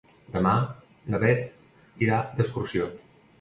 Demà na Beth irà d'excursió.